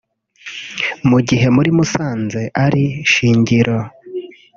mu gihe muri Musanze ari Shingiro